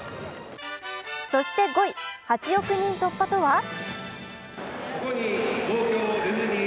そして５位、８億人突破とは？